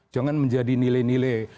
jangan menjadi nilai nilai